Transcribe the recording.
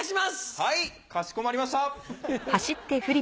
はいかしこまりました！ハハハ。